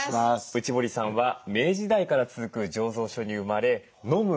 内堀さんは明治時代から続く醸造所に生まれのむ